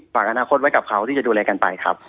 ฝากอนาคตไว้กับเขาที่จะดูแลกันไปครับ